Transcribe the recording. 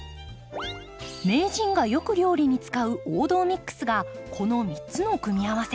名人がよく料理に使う王道ＭＩＸがこの３つの組み合わせ。